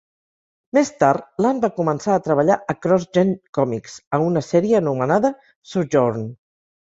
Més tard, Land va començar a treballar a CrossGen Comics, a una sèrie anomenada "Sojourn".